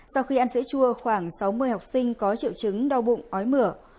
sau khi ăn sữa chua khoảng sáu mươi học sinh có triệu chứng đau bụng ói mửa